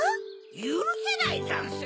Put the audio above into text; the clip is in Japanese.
ゆるせないざんす。